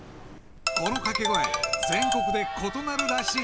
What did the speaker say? ［この掛け声全国で異なるらしい］